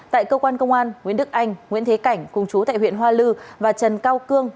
tại cơ quan công an nguyễn đức anh nguyễn thế cảnh cùng chú tại huyện hoa lư và trần cao cương